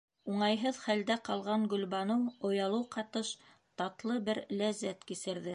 — Уңайһыҙ хәлдә ҡалған Гөлбаныу оялыу ҡатыш татлы бер ләззәт кисерҙе.